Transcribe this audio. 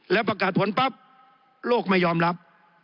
แล้วประกาศผลปั๊บโลกไม่ยอมรับ